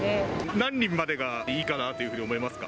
何人までがいいかなというふうに思いますか？